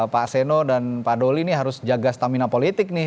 pak seno dan pak doli ini harus jaga stamina politik nih